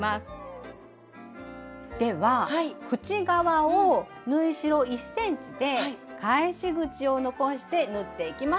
では口側を縫い代１ｃｍで返し口を残して縫っていきますよ。